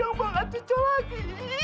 nggak mau ngancur lagi